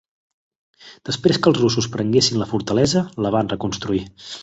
Després que els russos prenguessin la fortalesa, la van reconstruir.